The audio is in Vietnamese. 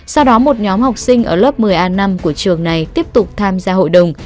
sau đó một nhóm học sinh ở lớp một mươi a năm của trường này tiếp tục tham gia hội đồng